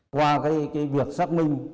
qua cái việc xác minh